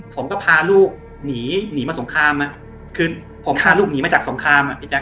ผมก็พาลูกหนีหนีมาสงครามอ่ะคือผมพาลูกหนีมาจากสงครามอ่ะพี่แจ๊